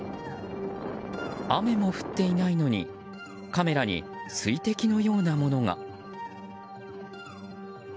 雨も降っていないのにカメラに水滴のようなものが。